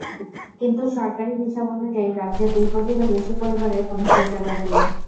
কিন্তু সরকারি হিসাব অনুযায়ী রাজ্যে দুই কোটিরও বেশি পরিবারে কোনো শৌচাগার নেই।